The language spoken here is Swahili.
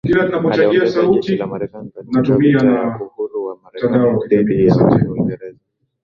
Aliongoza jeshi la Marekani katika vita ya uhuru wa Marekani dhidi ya Uingereza